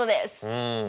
うん。